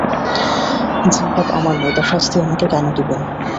যে পাপ আমার নয় তার শাস্তি আমাকে কেন দিবেন?